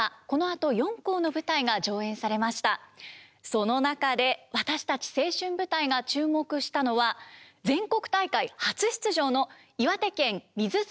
その中で私たち「青春舞台」が注目したのは全国大会初出場の岩手県水沢高校です。